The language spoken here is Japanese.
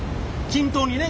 均等にね？